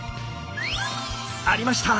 ありました！